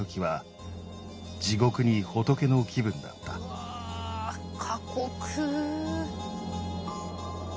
うわ過酷。